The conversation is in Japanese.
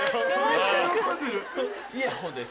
イヤホンです。